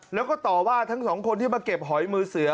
แล้วก็ต่อว่าทั้งสองคนที่มาเก็บหอยมือเสือ